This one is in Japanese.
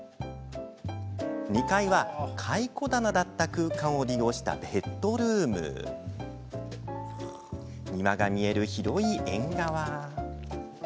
２階は蚕棚だった空間を利用したベッドルーム庭が見える広い縁側。